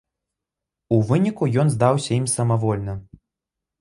У выніку ён здаўся ім самавольна.